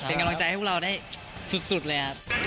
เป็นกำลังใจให้พวกเราได้สุดเลยครับ